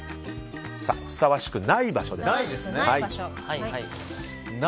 ふさわしくない場所です。